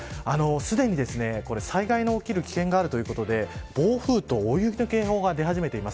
すでに災害が起きる危険があるということで暴風と大雪の警報が出始めています。